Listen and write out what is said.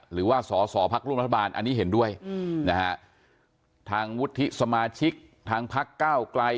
หรือว่าสอสอพักร่วมรัฐบาลอันนี้เห็นด้วยนะฮะทางวุฒิสมาชิกทางพักก้าวไกล